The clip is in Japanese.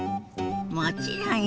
もちろんよ。